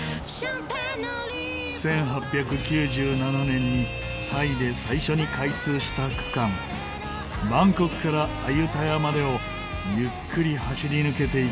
１８９７年にタイで最初に開通した区間バンコクからアユタヤまでをゆっくり走り抜けていきます。